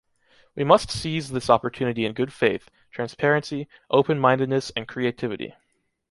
We must seize this opportunity in good faith, transparency, open-mindedness and creativity.